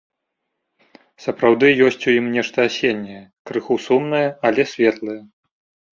Сапраўды ёсць у ім нешта асенняе, крыху сумнае, але светлае.